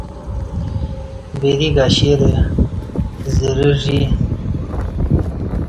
وری کشرہ زرہ ژی